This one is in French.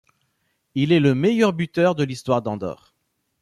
Il est le meilleur buteur de l'histoire d'Andorre.